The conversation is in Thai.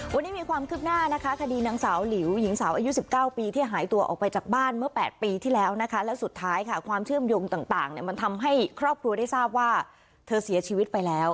วันนี้มีความคืบหน้านะคะคดีนางสาวหลิวหญิงสาวอายุ๑๙ปีที่หายตัวออกไปจากบ้านเมื่อ๘ปีที่แล้วนะคะแล้วสุดท้ายค่ะความเชื่อมโยงต่างมันทำให้ครอบครัวได้ทราบว่าเธอเสียชีวิตไปแล้ว